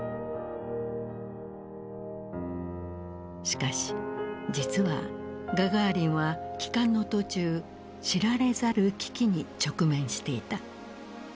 しかし実はガガーリンは帰還の途中知られざる危機に直面していた。